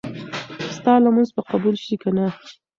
ستا لمونځ به قبول شي که نه؟